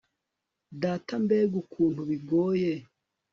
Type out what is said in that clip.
Data mbega ukuntu bigoye